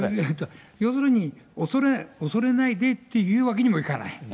要するに、恐れないでって言うわけにもいかない。